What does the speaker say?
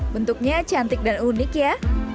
bentuknya cantik dan unik ya